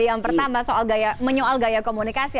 yang pertama soal menyoal gaya komunikasi